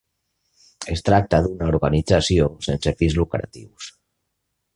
Es tracta d’una organització sense fins lucratius.